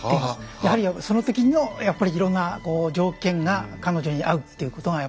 やはりその時のやっぱりいろんなこう条件が彼女に合うっていうことがやっぱり。